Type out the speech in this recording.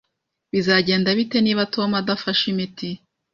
Bizagenda bite niba Tom adafashe imiti?